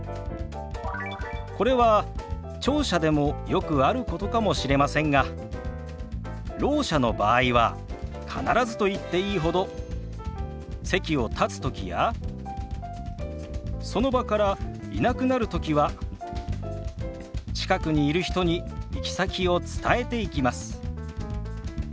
これは聴者でもよくあることかもしれませんがろう者の場合は必ずと言っていいほど席を立つときやその場からいなくなるときは近くにいる人に行き先を伝えていきます。